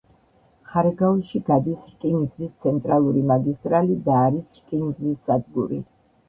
ხარაგაულში გადის რკინიგზის ცენტრალური მაგისტრალი და არის რკინიგზის სადგური.